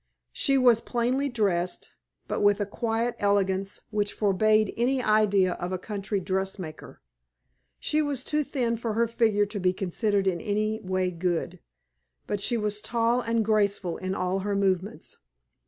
She was plainly dressed, but with a quiet elegance which forbade any idea of a country dressmaker. She was too thin for her figure to be considered in any way good; but she was tall and graceful in all her movements.